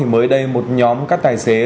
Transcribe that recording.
mới đây một nhóm các tài xế